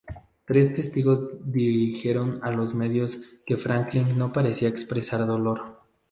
Tres testigos dijeron a los medios que Franklin no parecía expresar dolor.